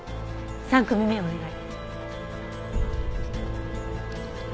３組目お願い。